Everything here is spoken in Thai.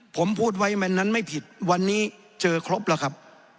ผมพูดไว้มันนั้นไม่ผิดวันนี้เจอครบแล้วครับ